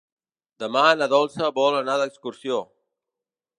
Demà na Dolça vol anar d'excursió.